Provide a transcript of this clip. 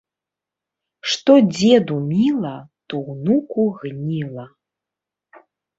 Што дзеду міла, то ўнуку гніла